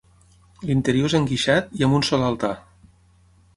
L'interior és enguixat i amb un sol altar.